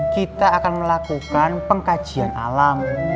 kita akan melakukan pengkajian alam